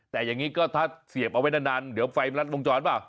แต่อย่างนี้ก็ถ้าเสียบเอาไว้นานเดี๋ยวไฟมันรัดวงจรเปล่า